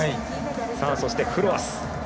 そしてフロアス。